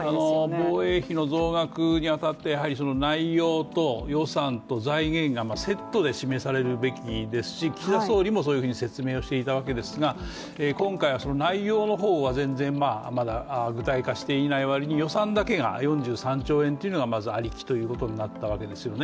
防衛費の増額に当たって、内容と予算と財源がセットで示されるべきですし、岸田総理もそういうふうに説明をしていたわけですが今回は内容の方はまだ具体化していない割に予算だけが、４３兆円というのがまずありきということになったわけですよね。